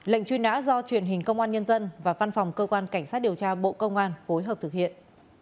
lệnh truy nã do truyền hình công an nhân dân và văn phòng cơ quan cảnh sát điều tra bộ công an phối hợp thực hiện